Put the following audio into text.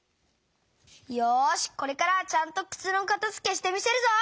よしこれからはちゃんとくつのかたづけしてみせるぞ！